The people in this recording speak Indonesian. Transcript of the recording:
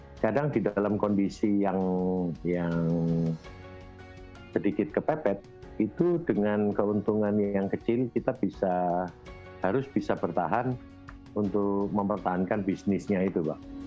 dan kadang di dalam kondisi yang sedikit kepepet itu dengan keuntungan yang kecil kita harus bisa bertahan untuk mempertahankan bisnisnya itu